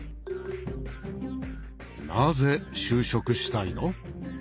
なぜ就職したいの？